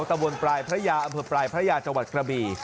ตะบนปลายพระยาอำเภอปลายพระยาจังหวัดกระบี่